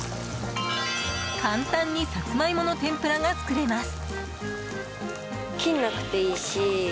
簡単にサツマイモの天ぷらが作れます。